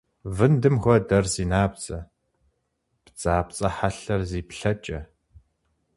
Вындым хуэдэр зи набдзэ, бдзапцӏэ хьэлъэр зи плъэкӏэ.